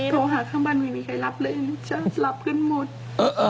โทรหาข้างบ้านวิวนี้ใครรับเลย